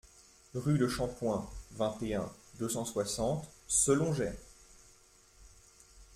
Rue de Champoint, vingt et un, deux cent soixante Selongey